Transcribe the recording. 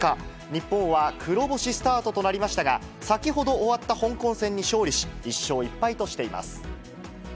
日本は黒星スタートとなりましたが、先ほど終わった香港戦に勝利し、１勝１敗としています。